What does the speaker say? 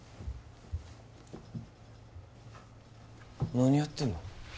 何やってんの？